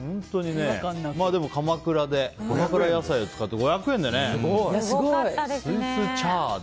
でも、鎌倉で鎌倉野菜を使って５００円でね。スイスチャード？